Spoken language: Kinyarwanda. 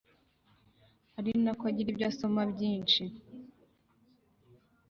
ari nako agira ibyo asoma byinshi